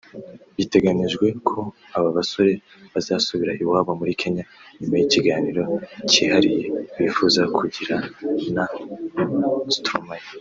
Biteganyijwe ko aba basore bazasubira iwabo muri Kenya nyuma y’ikiganiro kihariye bifuza kugira na Stromae